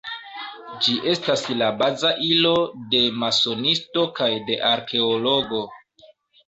Ĝi estas la baza ilo de masonisto kaj de arkeologo.